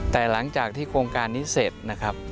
แต่หลังจากที่โครงการนี้เสร็จ